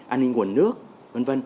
an ninh nguồn nước v v